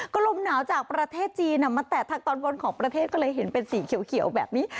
ก็ลมหนาวจากประเทศจีนมาแตะทางตอนบนของประเทศก็เลยเห็นเป็นสีเขียวแบบนี้